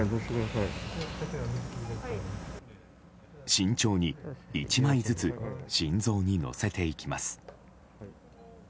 慎重に１枚ずつ心臓に載せていきます。